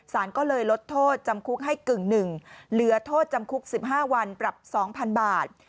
สารก็เลยลดโทษจำคุกให้กึ่งหนึ่งเหลือโทษจำคุก๑๕วันปรับ๒๐๐๐บาท